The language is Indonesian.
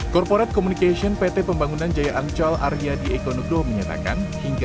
corporate communication pt pembangunan jaya ancol area di ekonogo menyatakan hingga